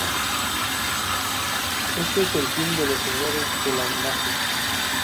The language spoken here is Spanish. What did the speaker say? Este es el fin de los Señores de la Magia.